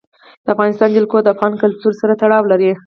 د افغانستان جلکو د افغان کلتور سره تړاو لري.